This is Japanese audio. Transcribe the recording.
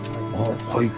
はい。